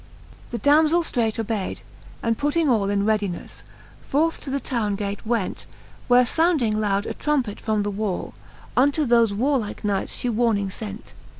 L. The damzell flreight obayd, and putting all In readinefic, forth to the town gate went. Where founding loud a trumpet from the wall. Unto thofe warlike knights fhe warning fent.